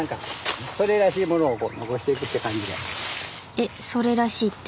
えっ「それらしい」って？